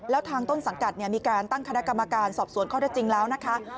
แล้วทางต้นสังกัดมีการตั้งคณะกรรมการสอบสวนข้อได้จริงแล้วนะคะ